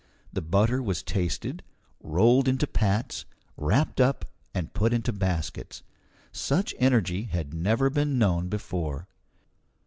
The butter was tasted, rolled into pats, wrapped up, and put into baskets. Such energy had never been known before.